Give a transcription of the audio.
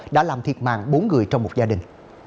đã làm thiệt mạng bốn người trong một ngày